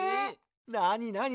なになに？